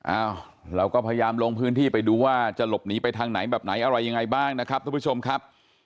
อ้าวเราก็พยายามลงพื้นที่ไปดูว่าจะหลบหนีไปทางไหนแบบไหนอะไรยังไงบ้างนะครับทุกผู้ชมครับ